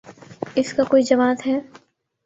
اس کا کوئی جواز ہے؟